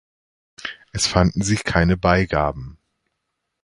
Es fanden sich keine Beigaben.